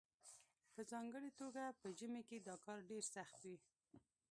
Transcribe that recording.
په ځانګړې توګه په ژمي کې دا کار ډیر سخت وي